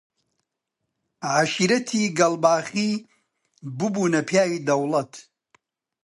عەشیرەتی گەڵباخی ببوونە پیاوی دەوڵەت